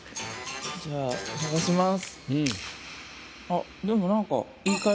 じゃあはがします。